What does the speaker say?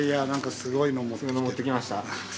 すごいの持ってきました。